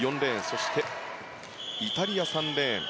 そしてイタリア、３レーン。